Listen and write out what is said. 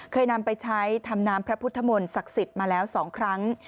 เคยนำไปใช้ทำน้ำพระพุทธมนต์ศักดิ์สิทธิ์มาแล้ว๒ครั้ง